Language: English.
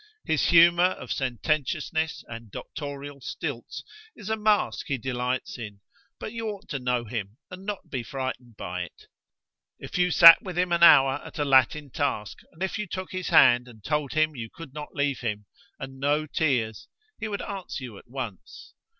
His humour of sententiousness and doctorial stilts is a mask he delights in, but you ought to know him and not be frightened by it. If you sat with him an hour at a Latin task, and if you took his hand and told him you could not leave him, and no tears! he would answer you at once.